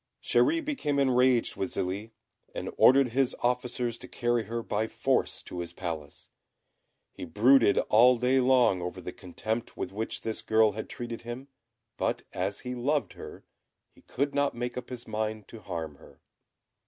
Chéri became enraged with Zélie, and ordered his officers to carry her by force to his palace. He brooded all day long over the contempt with which this girl had treated him; but as he loved her, he could not make up his mind to harm her.